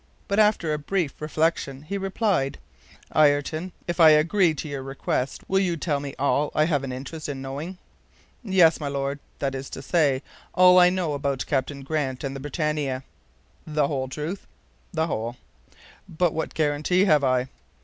But after a brief reflection, he replied: "Ayrton, if I agree to your request, you will tell me all I have an interest in knowing." "Yes, my Lord, that is to say, all I know about Captain Grant and the BRITANNIA." "The whole truth?" "The whole." "But what guarantee have I?"